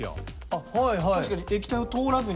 あっ確かに液体を通らずに。